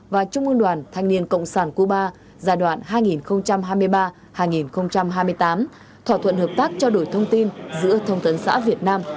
và trung ương đoàn thanh niên cộng sản cuba giai đoạn hai nghìn hai mươi ba hai nghìn hai mươi tám thỏa thuận hợp tác trao đổi thông tin giữa thông tấn xã việt nam